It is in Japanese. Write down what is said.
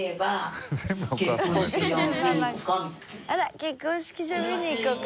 あら「結婚式場見に行こか？」